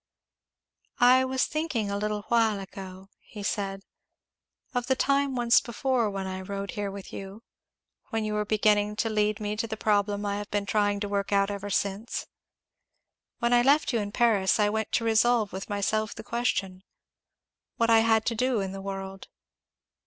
"I was thinking a little while ago," he said, "of the time once before when I rode here with you when you were beginning to lead me to the problem I have been trying to work out ever since. When I left you in Paris I went to resolve with myself the question, What I had to do in the world?